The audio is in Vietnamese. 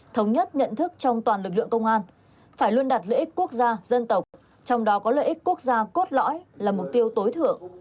thống nhất nhận thức trong toàn lực lượng công an phải luôn đặt lợi ích quốc gia dân tộc trong đó có lợi ích quốc gia cốt lõi là mục tiêu tối thượng